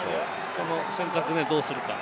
この選択をどうするか。